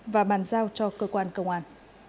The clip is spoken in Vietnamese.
và bàn giao cho cơ quan công an